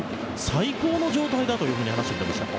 最高の状態だと話してくれました。